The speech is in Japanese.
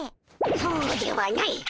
そうではないっ。